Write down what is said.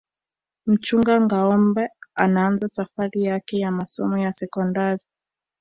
mchunga ngâombe anaanza safari yake ya masomo ya sekondari